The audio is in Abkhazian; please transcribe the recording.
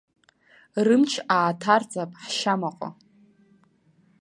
Рымч ааҭарҵап ҳшьамаҟа.